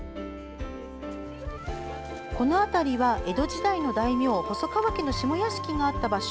この辺りは、江戸時代の大名細川家の下屋敷があった場所。